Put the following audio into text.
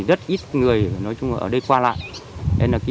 rất ít người ở đây qua lại